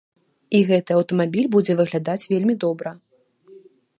І гэты аўтамабіль будзе выглядаць вельмі добра.